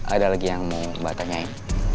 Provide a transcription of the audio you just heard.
ada lagi yang mau mbak tanyain